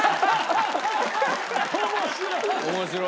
面白い！